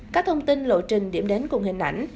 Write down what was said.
các thông tin lộ trình điểm đến cùng hình ảnh